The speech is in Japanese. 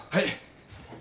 すいません。